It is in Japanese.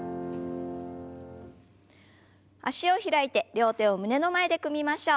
脚を開いて両手を胸の前で組みましょう。